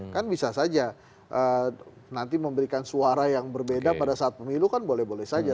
kan bisa saja nanti memberikan suara yang berbeda pada saat pemilu kan boleh boleh saja